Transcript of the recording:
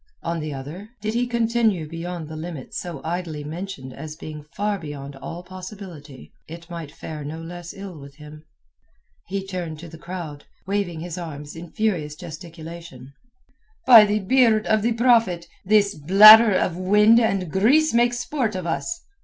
On the other, did he continue beyond the limit so idly mentioned as being far beyond all possibility, it might fare no less ill with him. He turned to the crowd, waving his arms in furious gesticulation. "By the beard of the Prophet, this bladder of wind and grease makes sport of us.